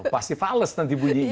pasti fales nanti bunyinya